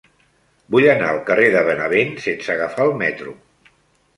Vull anar al carrer de Benavent sense agafar el metro.